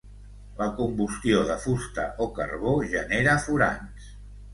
La combustió de fusta o carbó genera furans.